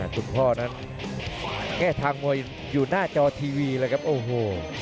คุณพ่อนั้นแก้ทางมวยอยู่หน้าจอทีวีเลยครับโอ้โห